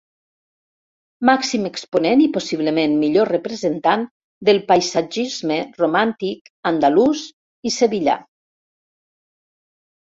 Màxim exponent i, possiblement, millor representant del paisatgisme romàntic andalús i sevillà.